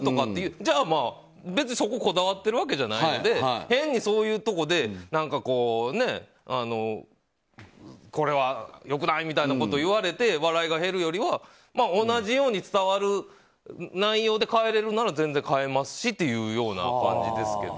じゃあ、別にそこにこだわってるわけじゃないので変にそういうところでこれは良くないみたいなことを言われて笑いが減るよりは同じように伝わる内容で変えられるなら全然変えますしみたいな感じですけど。